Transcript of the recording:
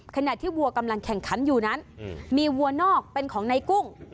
ขณะที่วัวกำลังแข่งขันอยู่นั้นมีวัวนอกเป็นของในกุ้ง